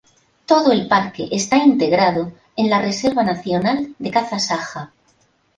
Todo el parque está integrado en la Reserva Nacional de Caza Saja.